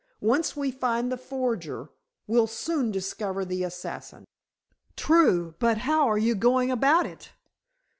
Once we find the forger, we'll soon discover the assassin." "True; but how are you going about it?"